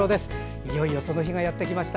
いよいよ、その日がやってきました。